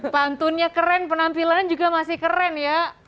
pantunnya keren penampilannya juga masih keren ya